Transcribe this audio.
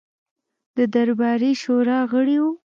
د درباري شورا غړی وو.